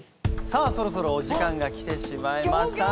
さあそろそろお時間が来てしまいました。